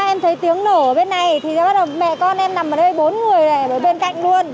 em thấy tiếng nổ ở bên này thì mẹ con em nằm ở đây bốn người ở bên cạnh luôn